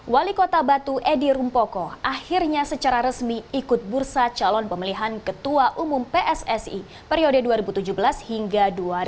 wali kota batu edi rumpoko akhirnya secara resmi ikut bursa calon pemilihan ketua umum pssi periode dua ribu tujuh belas hingga dua ribu dua puluh